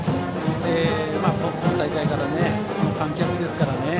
今大会から、この観客ですからね。